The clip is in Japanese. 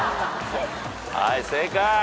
はい正解。